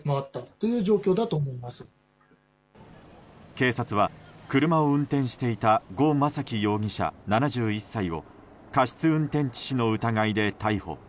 警察は車を運転していたゴ・マサキ容疑者、７１歳を過失運転致死の疑いで逮捕。